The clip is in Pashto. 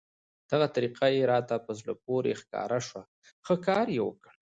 دغه طریقه یې راته په زړه پورې ښکاره شوه، ښه کار یې وکړ.